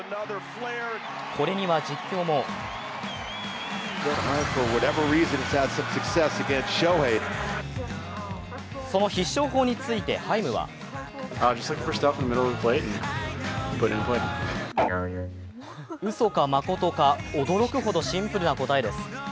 これには実況もその必勝法についてハイムはうそかまことか驚くほどシンプルな答えです。